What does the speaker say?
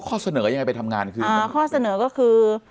ข้อเสนอก็คือ